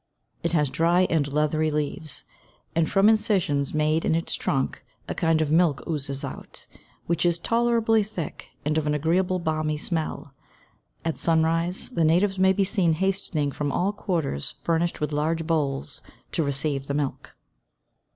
It has dry and leathery leaves, and from incisions made in its trunk a kind of milk oozes out, which is tolerably thick and of an agreeable balmy smell. At sunrise, the natives may be seen hastening from all quarters furnished with large bowls to receive the milk.